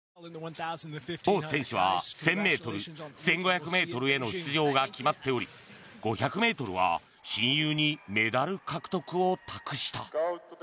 ボウ選手は１０００ｍ１５００ｍへの出場が決まっており５００ｍは親友にメダル獲得を託した。